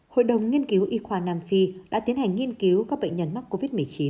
hội đồng nghiên cứu y khoa nam phi đã tiến hành nghiên cứu các bệnh nhân mắc covid một mươi chín